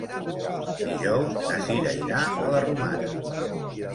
Dijous na Cira irà a la Romana.